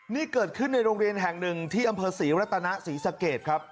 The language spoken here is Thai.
นี่เกิดขึ้นในโรงเรียนแห่งหนึ่งที่อำเภอศรีรัตนศรีสะเกดครับ